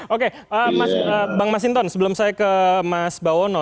oke bang masinton sebelum saya ke mas bawono